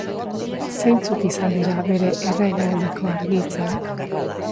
Zeintzuk izan dira bere erregealdiko argi-itzalak?